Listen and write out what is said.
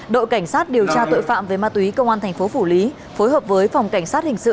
đội cảnh sát điều tra tội phạm về ma túy công an thành phố phủ lý phối hợp với phòng cảnh sát hình sự